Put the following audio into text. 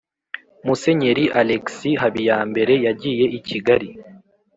musenyeri alexis habiyambere, yagiye i kigali